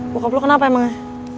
bokap lo kenapa emangnya